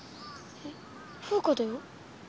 えフウカだよ。